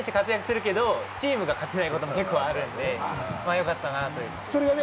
大谷選手は活躍するけどチームが勝てないこと結構あるんで、よかったなぁって。